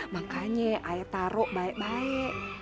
makanya ayah taruh baik baik